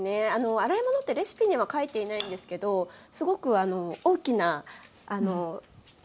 洗い物ってレシピには書いていないんですけどすごく大きな要素というか。